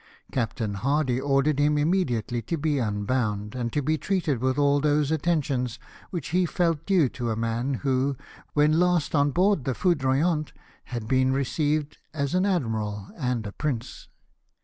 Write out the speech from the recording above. Captain Hardy ordered him immediately to be unbound, and to be treated with all those attentions which he felt due to a man who, when last on board the Foiidroyant, had been received as an admiral and a prince.